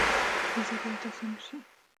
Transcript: ویزه باید اسانه شي